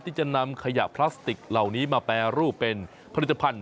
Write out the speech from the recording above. ที่จะนำขยะพลาสติกเหล่านี้มาแปรรูปเป็นผลิตภัณฑ